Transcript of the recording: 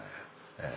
ええ。